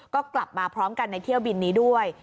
ก็กลับมาพร้อมกันในเที่ยวบินนี้ด้วย